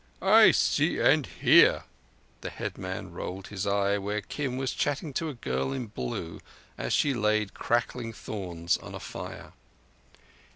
"I see—and hear." The headman rolled his eye where Kim was chatting to a girl in blue as she laid crackling thorns on a fire.